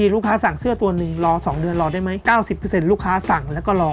รอ๒เดือนรอได้ไหม๙๐ลูกค้าสั่งแล้วก็รอ